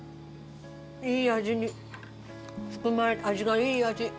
いい味に味がいい味。